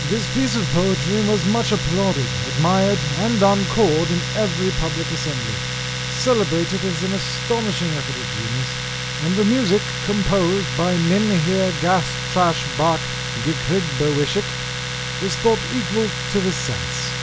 This piece of poetry was much applauded, admired, and encored in every public assembly, celebrated as an astonishing effort of genius; and the music, composed by Minheer Gastrashbark Gkrghhbarwskhk, was thought equal to the sense!